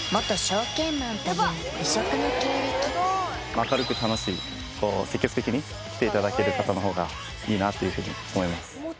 明るく楽しいこう積極的に来ていただける方の方がいいなっていうふうに思います